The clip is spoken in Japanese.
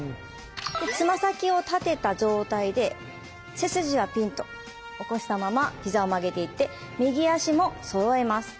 つま先を立てた状態で背筋はぴんと起こしたまま膝を曲げていって右足もそろえます。